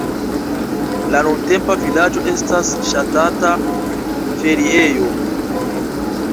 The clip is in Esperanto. La nuntempa vilaĝo estas ŝatata feriejo.